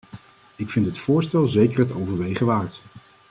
Ik vind het voorstel zeker het overwegen waard.